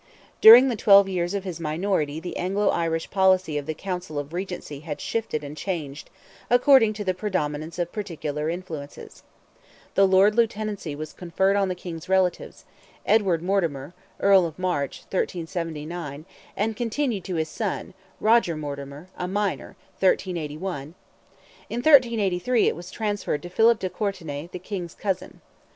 During the twelve years of his minority the Anglo Irish policy of the Council of Regency had shifted and changed, according to the predominance of particular influences. The Lord Lieutenancy was conferred on the King's relatives, Edward Mortimer, Earl of March (1379), and continued to his son, Roger Mortimer, a minor (1381); in 1383, it was transferred to Philip de Courtenay, the King's cousin.